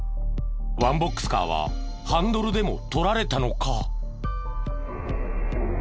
ワンボックスカーはハンドルでもとられたのか？